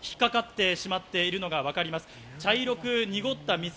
引っかかってしまっているのがわかります。